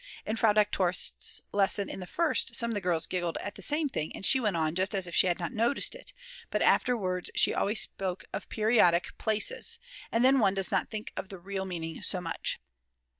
In Frau Doktor St's lesson in the First, some of the girls giggled at the same thing and she went on just as if she had not noticed it, but afterwards she always spoke of periodic places, and then one does not think of the real meaning so much.